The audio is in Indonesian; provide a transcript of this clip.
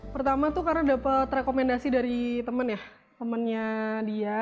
pertama tuh karena dapat rekomendasi dari temen ya temennya dia